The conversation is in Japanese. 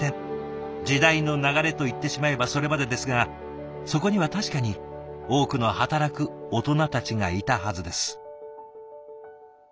時代の流れと言ってしまえばそれまでですがそこには確かに多くの働くオトナたちがいたはずです。